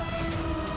sudah kukatakan pak mat